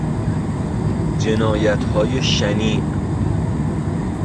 جنایتهای شنیع